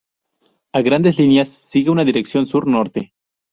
A grandes líneas sigue una dirección sur-norte.